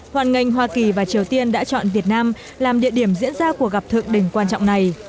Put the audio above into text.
hoàn ngành hoa kỳ và triều tiên đã chọn việt nam làm địa điểm diễn ra cuộc gặp thượng đỉnh quan trọng này